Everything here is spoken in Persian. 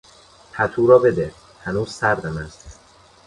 پتو را بده، هنوز سردم است.